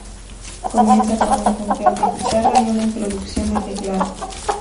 Comienza con un punteo de guitarra y una introducción de teclado.